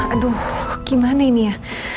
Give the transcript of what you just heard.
aduh gimana ini ya